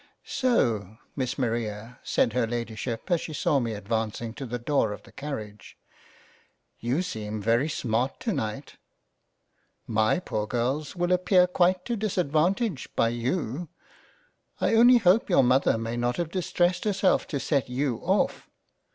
" So Miss Maria (said her Lady ship as she saw me advancing to the door of the Carriage) you seem very smart to night — My poor Girls will appear quite to disadvantage by you — I only hope your Mother may not have distressed herself to set you off.